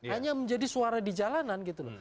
hanya menjadi suara di jalanan gitu loh